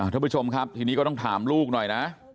ท่านผู้ชมครับทีนี้ก็ต้องถามลูกหน่อยนะ